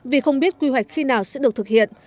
vì không biết quy hoạch khi nào sẽ được thực hiện